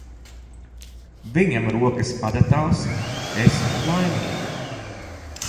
Viņam rokas adatās, es – laimīga.